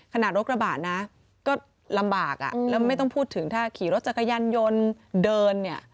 รถกระบะนะก็ลำบากอ่ะแล้วไม่ต้องพูดถึงถ้าขี่รถจักรยานยนต์เดินเนี่ย